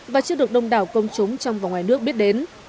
và chưa được đông đảo công chúng trong và ngoài nước biết đến